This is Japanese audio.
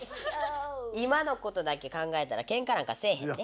今のことだけ考えたらケンカなんかせえへんで。